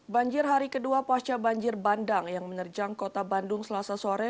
banjir hari kedua pasca banjir bandang yang menerjang kota bandung selasa sore